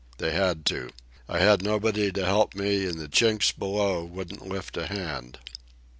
They had to. I had nobody to help me, and the Chinks below wouldn't lift a hand.